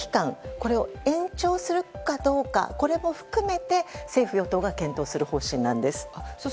これを延長するかどうかこれも含めて政府・与党が検討する方針なんです。